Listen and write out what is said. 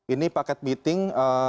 ini paket meeting